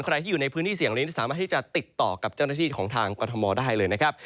ใครที่อยู่ในพื้นที่เสี่ยงนี้สามารถที่จะติดต่อกับเจ้าหน้าที่ของทางกรทมได้เลยนะครับ